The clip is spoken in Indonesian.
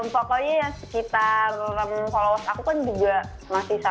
pokoknya yang sekitar followers aku kan juga masih satu enam